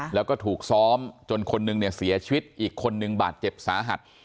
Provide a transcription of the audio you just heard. แล้วก็ถูกซ้อมจนคนหนึ่งเนี่ยเสียชีวิตอีกคนนึงบาดเจ็บสาหัส